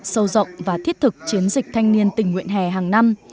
sâu rộng và thiết thực chiến dịch thanh niên tình nguyện hè hàng năm